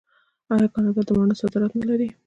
آیا کاناډا د مڼو صادرات نلري؟